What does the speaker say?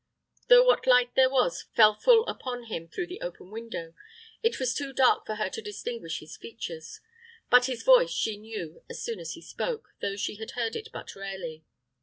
Though what light there was fell full upon him through the open window, it was too dark for her to distinguish his features; but his voice she knew as soon as he spoke, though she had heard it but rarely.